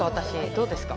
どうですか？